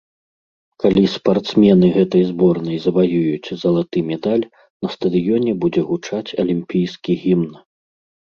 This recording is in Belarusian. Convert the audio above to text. Калі спартсмены гэтай зборнай заваююць залаты медаль, на стадыёне будзе гучаць алімпійскі гімн.